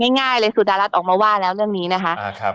ง่ายเลยสุดารัฐออกมาว่าแล้วเรื่องนี้นะคะ